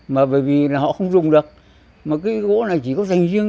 mà bởi vì là họ không dùng được mà cái gỗ này chỉ có dành riêng